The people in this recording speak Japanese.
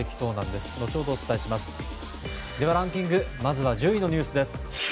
ではランキングまずは１０位のニュースです。